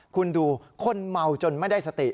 คุณดูคนเมาจนไม่ได้สติ